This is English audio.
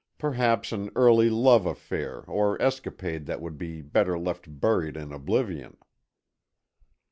Perhaps an early love affair or escapade that would be better left buried in oblivion."